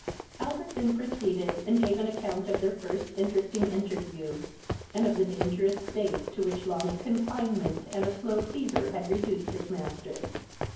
Albert then proceeded, and gave an account of their first interesting interview, and of the dangerous state to which long confinement and a slow fever had reduced his master.